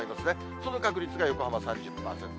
その確率が横浜３０％。